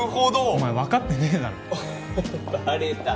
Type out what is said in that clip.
お前分かってねえだろバレた？